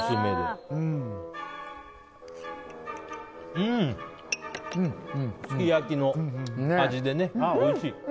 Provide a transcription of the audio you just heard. すき焼きの味でね、おいしい！